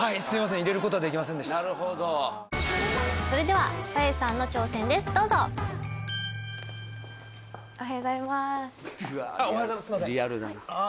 それでは鞘師さんの挑戦です。